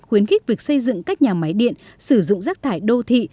khuyến khích việc xây dựng các nhà máy điện sử dụng rác thải đô thị